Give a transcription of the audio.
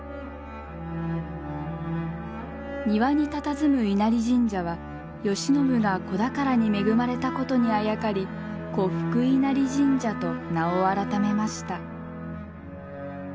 庭にたたずむ稲荷神社は慶喜が子宝に恵まれたことにあやかり子福稲荷神社と名を改めました。